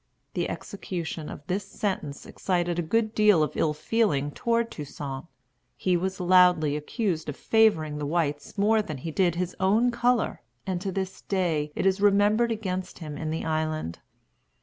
The execution of this sentence excited a good deal of ill feeling toward Toussaint. He was loudly accused of favoring the whites more than he did his own color; and to this day it is remembered against him in the island.